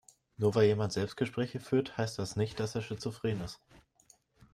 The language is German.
Nur weil jemand Selbstgespräche führt, heißt das nicht, dass er schizophren ist.